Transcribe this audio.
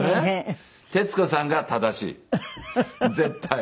徹子さんが正しい絶対。